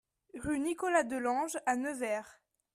Rue Nicolas Delange à Nevers